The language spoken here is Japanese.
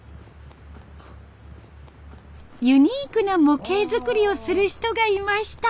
ユニークな模型作りをする人がいました。